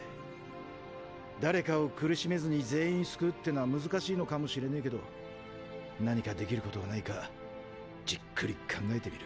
誰かを苦しめずに全員救うってのは難しいのかもしれねぇけど何かできることがないかじっくり考えてみる。